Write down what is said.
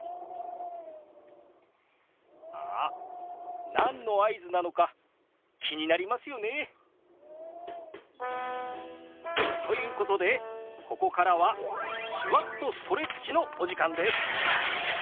あっ何の合図なのか気になりますよね？ということでここからは手話っとストレッチのお時間です。